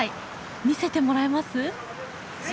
見せてもらえます？